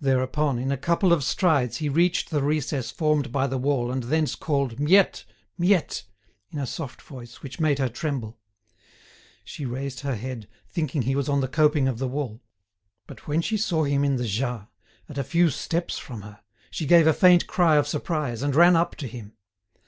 Thereupon, in a couple of strides, he reached the recess formed by the wall, and thence called, "Miette! Miette!" in a soft voice, which made her tremble. She raised her head, thinking he was on the coping of the wall. But when she saw him in the Jas, at a few steps from her, she gave a faint cry of surprise, and ran up to him.